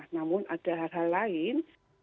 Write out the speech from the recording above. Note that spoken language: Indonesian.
namun ada hal hal lain